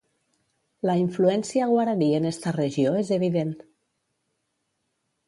La influència guaraní en esta regió és evident.